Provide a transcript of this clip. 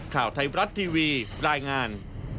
ข่าวไทยบรัฐทีวีรายงาน